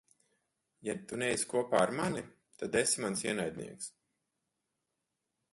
Ja tu neesi kopā ar mani, tad esi mans ienaidnieks.